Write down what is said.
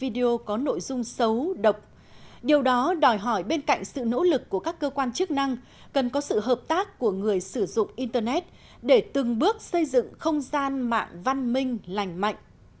điều đó đòi hỏi bên cạnh sự nỗ lực của các cơ quan chức năng cần có sự hợp tác của người sử dụng internet để từng bước xây dựng không gian mạng văn minh lành mạnh